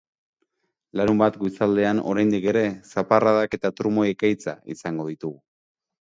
Larunbat goizaldean oraindik ere zaparradak eta trumoi-ekaitza izango ditugu.